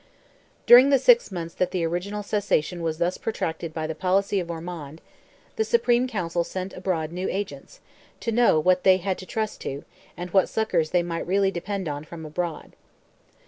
During the six months that the original cessation was thus protracted by the policy of Ormond, the Supreme Council sent abroad new agents, "to know what they had to trust to, and what succours they might really depend on from abroad."